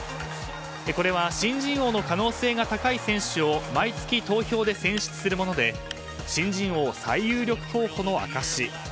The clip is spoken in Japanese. これは新人王の可能性が高い選手を毎月、投票で選出するもので新人王最有力候補の証し。